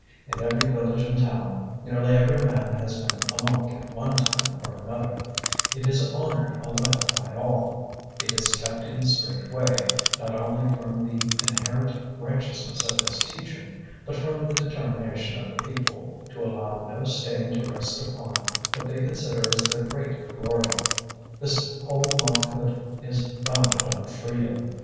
In every village and town nearly every man has been a monk at one time or another it is honoured alike by all; it is kept in the straight way, not only from the inherent righteousness of its teaching, but from the determination of the people to allow no stain to rest upon what they consider as their 'great glory.' This whole monkhood is founded on freedom.